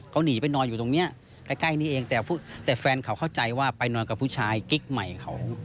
เขาหนีไปนอนอยู่ตรงนี้ใกล้นี้เองแต่แฟนเขาเข้าใจว่าไปนอนกับผู้ชายกิ๊กใหม่เขา